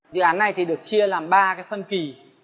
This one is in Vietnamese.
dự án này thì được chia làm ba cái phân kỳ